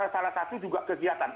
salah satu juga kegiatan